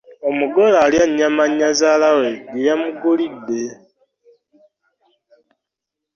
Omugole alya nnyama, nnyazaala we gye yamugulidde.